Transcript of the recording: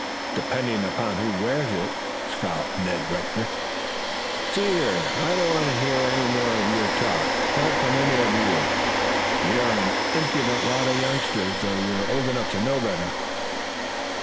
"Depending upon who wears it," scoffed Ned Rector. "See here, I don't want to hear any more of your talk, not from any of you. You're an impudent lot of youngsters, though you're old enough to know better."